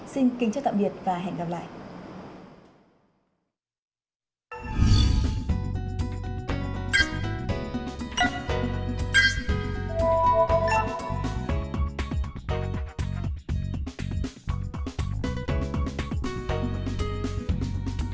xin kính chào tạm biệt và hẹn gặp lại